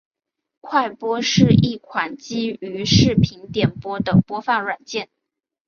快播是一款基于视频点播的播放软件。